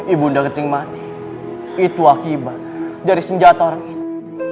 ibu ndangetimani itu akibat dari senjata orang ini